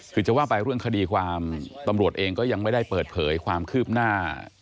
คือจะว่าไปเรื่องคดีความตำรวจเองก็ยังไม่ได้เปิดเผยความคืบหน้า